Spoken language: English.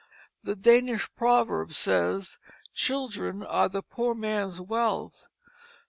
The Danish proverb says, "Children are the poor man's wealth."